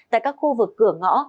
tại các khu vực cửa ngõ